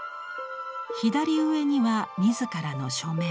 左上には自らの署名